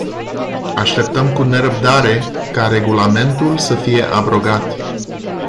Așteptăm cu nerăbdare ca regulamentul să fie abrogat.